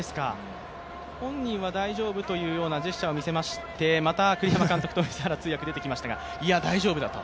本人は大丈夫というようなジェスチャーを見せましてまた、栗山監督と水原通訳出てきましたが、大丈夫だと。